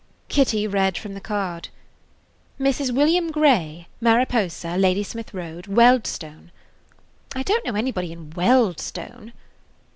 Kitty read from the card: [Page 15] "'Mrs. William Grey, Mariposa, Ladysmith Road, Wealdstone,' I don't know anybody in Wealdstone."